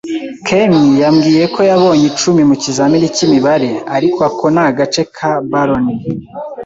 Ken yambwiye ko yabonye icumi mu kizamini cy'imibare, ariko ako ni agace ka baloney.